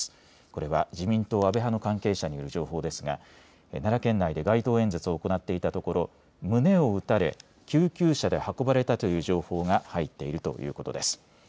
これは自民党安倍派の関係者による情報ですが奈良県内で街頭演説を行っていたところ胸を撃たれ救急車で運ばれたという情報が入っているということです。